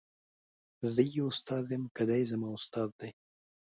زه یې استاد یم که دای زما استاد دی.